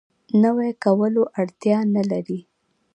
نوی کولو اړتیا نه لري.